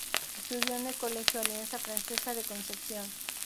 Estudió en el colegio Alianza Francesa de Concepción.